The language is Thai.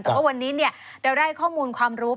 แต่ว่าวันนี้เราได้ข้อมูลความรู้